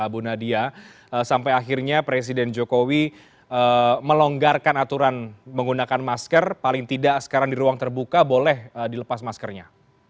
bu nadia sampai akhirnya presiden jokowi melonggarkan aturan menggunakan masker paling tidak sekarang di ruang terbuka boleh dilepas maskernya